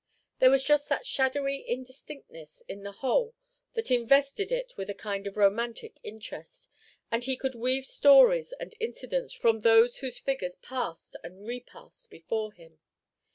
There was just that shadowy indistinctness in the whole that invested it with a kind of romantic interest, and he could weave stories and incidents from those whose figures passed and repassed before him.